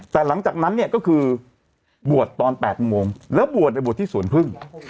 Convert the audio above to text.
แต่หลังจากนั้นเนี่ยก็คือบวชตอน๘โมงแล้วบวชบวชที่สวนพึ่ง